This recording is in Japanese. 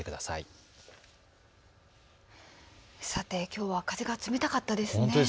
さてきょうは風が冷たかったですね。